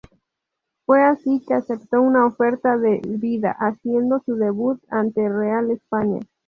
Fue así que aceptó una oferta del Vida, haciendo su debut ante Real España.